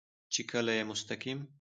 چې کله يې مستقيم